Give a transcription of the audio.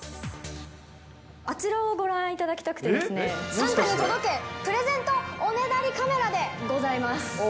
あちらをご覧いただきたくてですね、サンタに届け、おねだりカメラでございます。